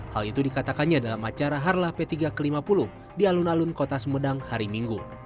hal itu dikatakannya dalam acara harlah p tiga ke lima puluh di alun alun kota sumedang hari minggu